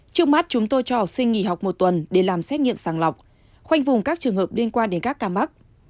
trước mắt chúng tôi cho học sinh nghỉ học một tuần để làm xét nghiệm sàng lọc khoanh vùng các trường hợp liên quan đến các ca mắc